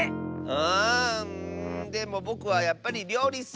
あんでもぼくはやっぱりりょうりッス。